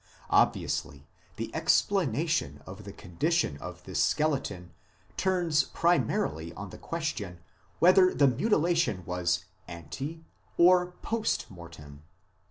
Obviously the explana tion of the condition of this skeleton turns primarily on the question whether the mutilation was ante or post mortem.